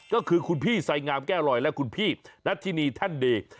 ก็คือคุณพี่ไสงามแก้วลอยและคุณพี่นัทธินีแท่นดี